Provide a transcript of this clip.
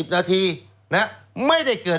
นาทีไม่ได้เกิด